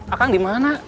ah kang di mana